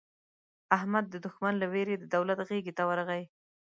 احمد د دوښمن له وېرې د دولت غېږې ته ورغی.